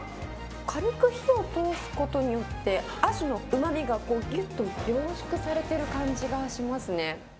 軽く火を通すことによって、味のうまみがぎゅっと凝縮されてる感じがしますね。